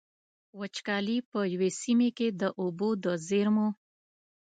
وچکالي په يوې سيمې کې د اوبو د زېرمو.